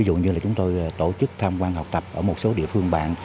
ví dụ như là chúng tôi tổ chức tham quan học tập ở một số địa phương bạn